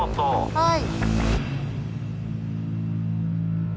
☎はい。